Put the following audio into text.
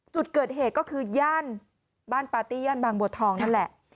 จุดเกิดเหตุก็คือย่านบ้านปาร์ตี้ย่านบางบัวทองนั่นแหละ